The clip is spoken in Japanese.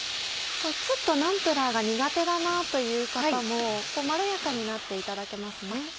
ちょっとナンプラーが苦手だなという方もまろやかになっていただけますね。